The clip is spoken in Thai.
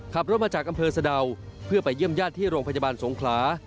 ขับรถมาจากอำเภอสะดาวเพื่อไปเยี่ยมญาติที่โรงพยาบาลสงขลา